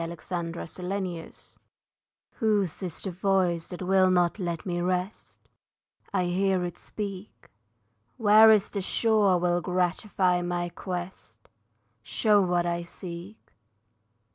UNKNOWN IDEAL Whose is the voice that will not let me rest? I hear it speak. Where is the shore will gratify my quest, Show what I seek?